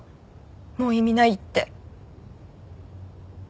もう意味ないって。